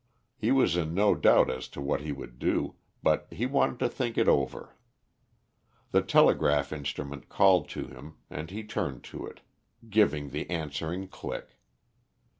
He was in no doubt as to what he would do, but he wanted to think over it. The telegraph instrument called to him and he turned to it, giving the answering click.